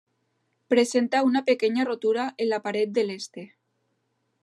Presenta una pequeña rotura en la pared del este.